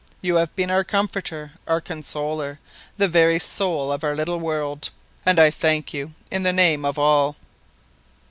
You have been our comforter, our consoler, the very soul of our little world; and I thank you in the name of all."